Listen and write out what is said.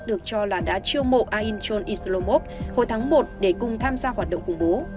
được cho là đã chiêu mộ alinchon islomov hồi tháng một để cùng tham gia hoạt động khủng bố